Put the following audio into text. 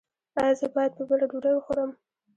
ایا زه باید په بیړه ډوډۍ وخورم؟